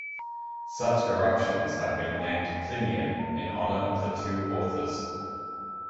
Such eruptions have been named Plinian in honour of the two authors.